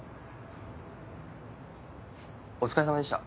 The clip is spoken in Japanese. お疲れさまでした。